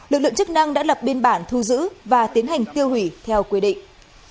lực lượng chức năng đã lập biên bản thu giữ và tiến hành tiêu hủy theo quy định